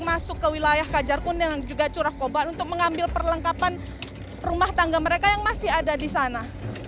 masuk ke wilayah kajar kuning dan juga curah kobaran untuk mengambil perlengkapan rumah tangga mereka yang masih ada di sana